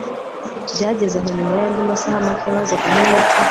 byageze aho nyuma yandi masaha make maze kunywa imiti